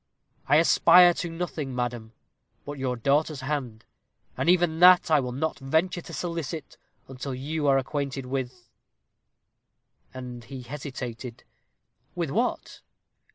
"I aspire to nothing, madam, but your daughter's hand; and even that I will not venture to solicit until you are acquainted with " And he hesitated. "With what?"